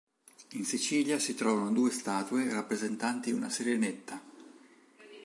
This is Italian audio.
In Sicilia si trovano due statue rappresentanti una Sirenetta.